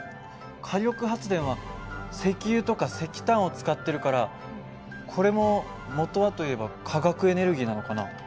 火力発電は石油とか石炭を使ってるからこれももとはといえば化学エネルギーなのかな？